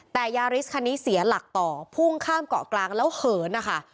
แต่ยาริสคันนี้เสียหลักต่อพุ่งข้ามเกาะกลางแล้วเหินนะคะ